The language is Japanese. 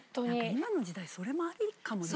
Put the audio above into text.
今の時代それもありかもね。